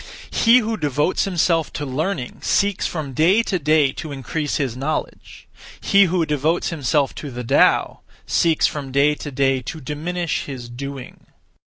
He who devotes himself to learning (seeks) from day to day to increase (his knowledge); he who devotes himself to the Tao (seeks) from day to day to diminish (his doing).